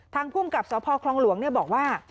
ทางพุ่งกับสคลองหลวงบอกว่า